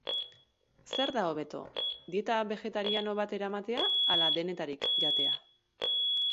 Zer da hobeto, dieta begetariano bat eramatea ala denetarik jatea?